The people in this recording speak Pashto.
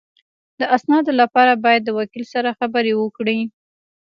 د اسنادو لپاره باید د وکیل سره خبرې وکړې